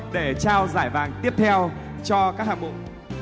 để trao giải vàng tiếp theo cho các hạng mục